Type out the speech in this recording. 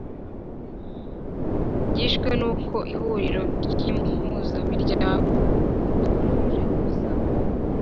Byishwe n’uko ihuriro ry’impuzamiryango ritujuje ibisabwa